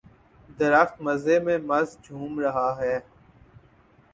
درخت مزے میں مست جھوم رہا ہے